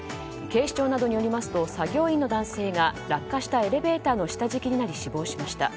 警視庁などによりますと作業員の男性が落下したエレベーターの下敷きになり死亡しました。